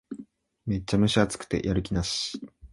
めっちゃ蒸し暑くてやる気なし